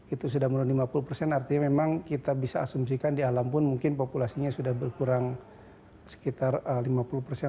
itu sudah menurun lima puluh persen artinya memang kita bisa asumsikan di alam pun mungkin populasinya sudah berkurang sekitar lima puluh persen